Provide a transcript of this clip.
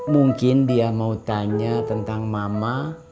mungkin dia mau tanya tentang mama